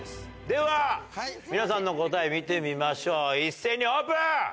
では皆さんの答え見てみましょう一斉にオープン！